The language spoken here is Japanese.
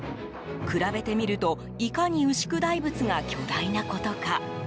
比べてみるといかに牛久大仏が巨大なことか。